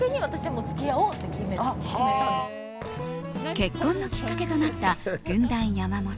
結婚のきっかけとなった軍団山本。